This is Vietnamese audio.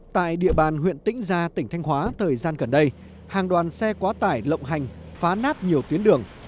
tại địa bàn huyện tĩnh gia tỉnh thanh hóa thời gian gần đây hàng đoàn xe quá tải lộng hành phá nát nhiều tuyến đường